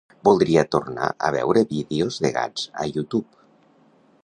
Voldria tornar a veure vídeos de gats a YouTube.